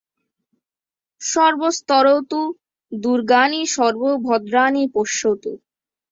– সর্বস্তরতু দুর্গাণি সর্বো ভদ্রাণি পশ্যতু।